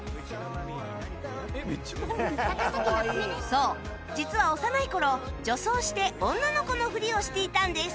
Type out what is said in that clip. そう実は幼い頃女装して女の子のふりをしていたんです